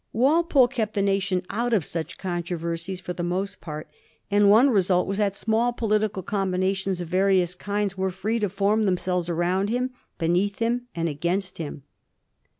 Wal pole kept the nation out of such controversies for the most part, and one result was that small political combinations of various kinds were free to form them selves around him, beneath him, and against him.